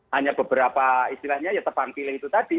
hanya beberapa istilahnya ya tebang pilih itu tadi